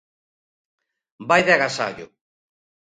Vai de agasallo.